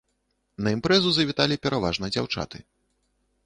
На імпрэзу завіталі пераважна дзяўчаты.